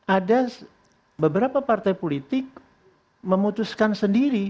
ada beberapa partai politik memutuskan sendiri